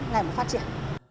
ngày mà phát triển